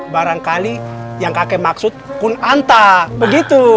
barangkali yang kakek maksud pun anta begitu